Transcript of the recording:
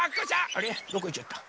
あれどこいっちゃった？